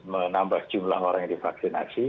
menambah jumlah orang yang divaksinasi